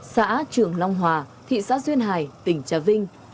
xã trường long hòa thị xã duyên hải tỉnh trà vinh